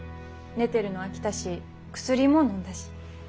寝てるの飽きたし薬ものんだし。